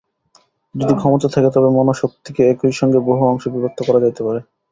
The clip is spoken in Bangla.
যদি ক্ষমতা থাকে, তবে মনঃশক্তিকে একই সঙ্গে বহু অংশে বিভক্ত করা যাইতে পারে।